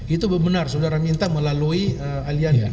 itu benar saudara minta melalui aliansi